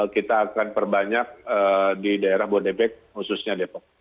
kita akan perbanyak di daerah bodebek khususnya depok